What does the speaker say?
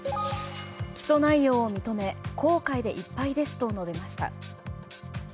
起訴内容を認め後悔でいっぱいですと述べました。